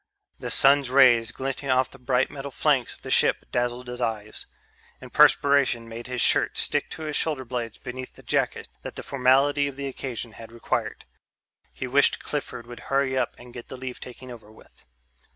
The sun's rays glinting off the bright metal flanks of the ship dazzled his eyes, and perspiration made his shirt stick to his shoulder blades beneath the jacket that the formality of the occasion had required. He wished Clifford would hurry up and get the leave taking over with.